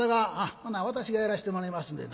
「ほな私がやらしてもらいますんで。